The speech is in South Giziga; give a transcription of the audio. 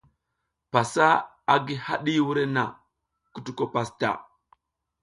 Pasa a gi haɗi wurenna, kutuko pasta.